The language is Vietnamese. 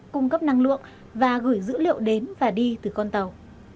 cung cấp năng lượng và gửi dữ liệu đến và đi từ con tàu